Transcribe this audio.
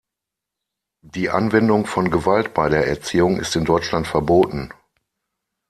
Die Anwendung von Gewalt bei der Erziehung ist in Deutschland verboten.